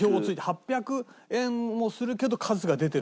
８００円もするけど数が出てる。